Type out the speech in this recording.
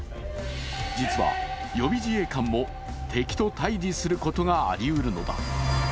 実は予備自衛官も敵と対峙することがありうるのだ。